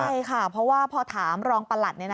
ใช่ค่ะเพราะว่าพอถามรองประหลัด